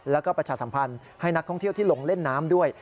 แล้วก็ประชาสัมพันธ์ให้นักท่องเที่ยวที่ลงเล่นน้ำด้วย